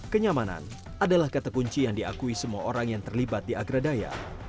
kenyamanan adalah kata kunci yang diakui semua orang yang terlibat di agradaya